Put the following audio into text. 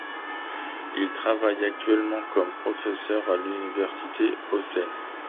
Il travaille actuellement comme professeur à l'université Hōsei.